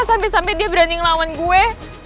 sampai sampai dia berani ngelawan gue